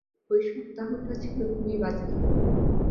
ঐ সপ্তাহটা ছিল খুবই বাজে।